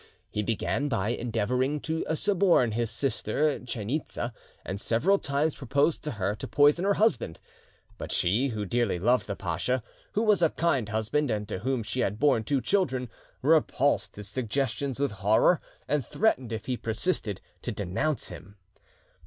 He began by endeavouring to suborn his sister Chainitza, and several times proposed to her to poison her husband; but she, who dearly loved the pacha, who was a kind husband and to whom she had borne two children, repulsed his suggestions with horror, and threatened, if he persisted, to denounce him.